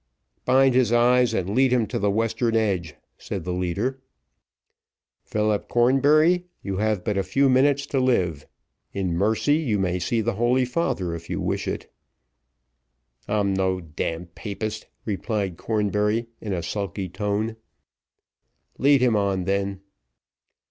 "Bind his eyes, and lead him to the western edge," said the leader. "Philip Cornbury, you have but few minutes to live. In mercy, you may see the holy father, if you wish it." "I'm no d d papist," replied Cornbury, in a sulky tone. "Lead him on then."